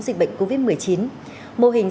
dịch bệnh covid một mươi chín mô hình